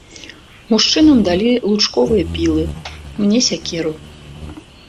Мужчынам далі лучковыя пілы, мне сякеру.